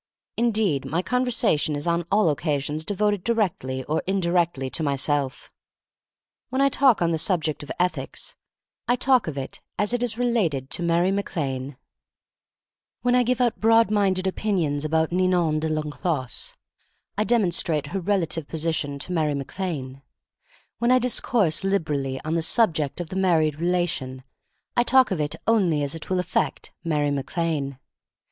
Indeed, my con versation is on all occasions devoted directly or indirectly to myself. When I talk on the subject of ethics, I talk of it as it is related to Mary Mac Lane. THE STORY OF MARY MAC LANE 6l When I give out broad minded opin ions about Ninon de TEnclos, I demon strate her relative position to Mary Mac Lane! When I discourse liberally on the subject of the married relation, I talk of it only as it will affect Mary Mac Lane.